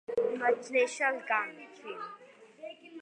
Vaig néixer al camp, Phil.